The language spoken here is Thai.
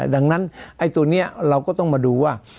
ดังนั้นไอ้ตัวนี้เราก็ต้องมาดูว่า